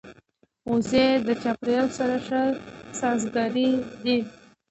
وزې د چاپېریال سره ښه سازګارې دي